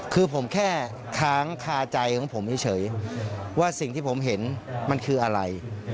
คือผมแค่ค้างคาใจของผมเฉยว่าสิ่งที่ผมเห็นมันคืออะไร